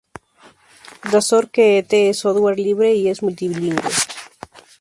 Razor-qt es software libre y es multilingüe.